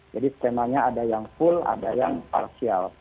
jadi skemanya ada yang full ada yang partial